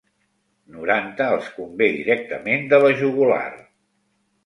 Noranta els convé directament de la jugular.